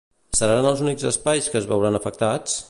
Seran els únics espais que es veuran afectats?